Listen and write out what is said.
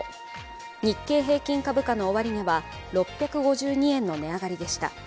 日経平均株価の終値は６５２円の値上がりでした。